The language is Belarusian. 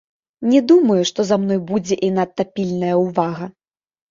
Не думаю, што за мной будзе і надта пільная ўвага.